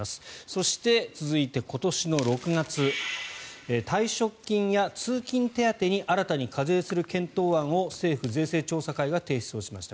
そして続いて今年の６月退職金や通勤手当に新たに課税する検討案を政府税制調査会が提出しました。